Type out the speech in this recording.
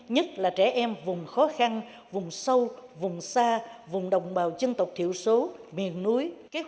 nhất là trẻ em vùng khó khăn vùng sâu vùng xa vùng đồng bào dân tộc thiểu số miền núi